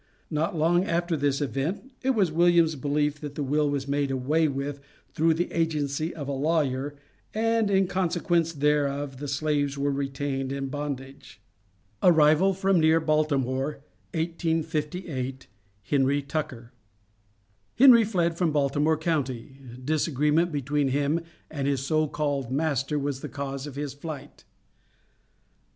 Not long after this event it was William's belief that the will was made away with through the agency of a lawyer, and in consequence thereof the slaves were retained in bondage. ARRIVAL FROM NEAR BALTIMORE, 1858. HENRY TUCKER. Henry fled from Baltimore county; disagreement between him and his so called master was the cause of his flight.